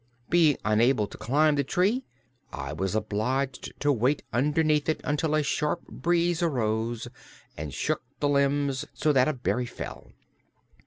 Being unable to climb the tree, I was obliged to wait underneath it until a sharp breeze arose and shook the limbs so that a berry fell.